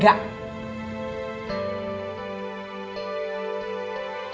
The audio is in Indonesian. ibu sama bapak becengek